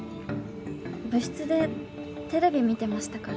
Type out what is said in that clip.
部室でテレビ見てましたから。